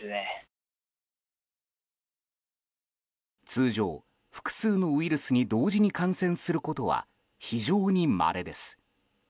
通常、複数のウイルスに同時に感染することは非常にまれです。